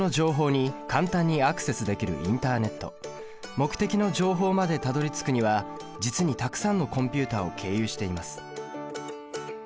目的の情報までたどりつくには実にたくさんのコンピュータを経由しています。